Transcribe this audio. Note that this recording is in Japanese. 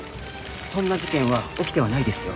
そんな事件は起きてはないですよ。